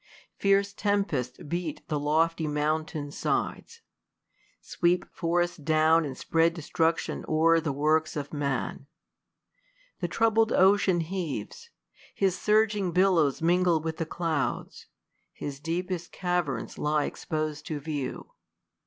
Fierce tempests beat the lofty mountains' side :;, Sweep forests down, and spread destruction o'er The works of man. The troubled ocean heaves : His surging billows mingle with the clouds : His deepest caverns lie expos'd to view.